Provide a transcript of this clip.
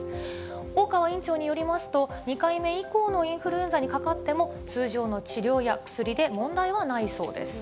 大川院長によりますと、２回目以降のインフルエンザにかかっても、通常の治療や薬で問題はないそうです。